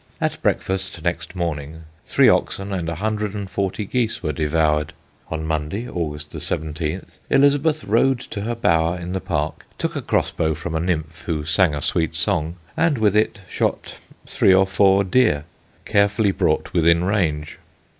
At breakfast next morning three oxen and a hundred and forty geese were devoured. On Monday, August 17th, Elizabeth rode to her bower in the park, took a crossbow from a nymph who sang a sweet song, and with it shot "three or four" deer, carefully brought within range.